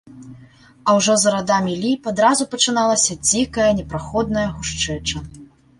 А ўжо за радамі ліп адразу пачыналася дзікая, непраходная гушчэча.